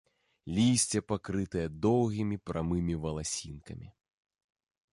Лісце пакрытае доўгімі прамымі валасінкамі.